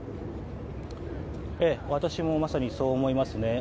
私もまさにそう思います。